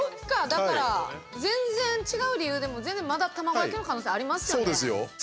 だから、全然違う理由でも全然、まだ卵焼きの可能性ありますよね。